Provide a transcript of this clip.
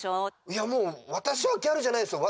いやもうわたしはギャルじゃないですよ。